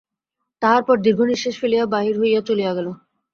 তাহার পর দীর্ঘনিশ্বাস ফেলিয়া বাহির হইয়া চলিয়া গেল।